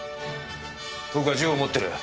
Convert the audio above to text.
僕は銃を持ってる。